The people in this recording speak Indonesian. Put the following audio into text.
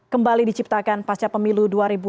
kembali diciptakan pasca pemilu dua ribu sembilan belas